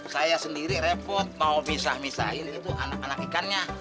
saya sendiri repot mau misah misahin itu anak anak ikannya